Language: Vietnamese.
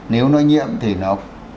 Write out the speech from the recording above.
nếu nó nhiễm thì nó